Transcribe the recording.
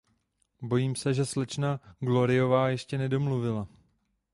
Bojím se, že slečna Gloryová ještě nedomluvila.